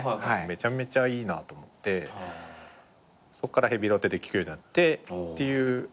めちゃめちゃいいなと思ってそこからヘビロテで聴くようになってっていう縁はあります。